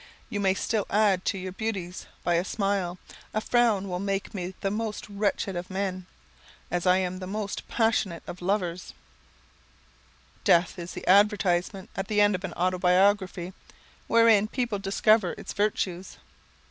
You may still add to your beauties by a smile. A frown will make me the most wretched of men, as I am the most passionate of lovers." [Sidenote: The Advertisement] Death is the advertisement, at the end of an autobiography, wherein people discover its virtues.